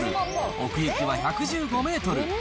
奥行きは１１５メートル。